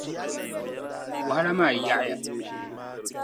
Wahala maa yaɣi ya.